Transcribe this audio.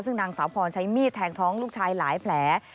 ซึ่งนางสาวพรใช้มีดแทงท้องลูกชายหลายแผล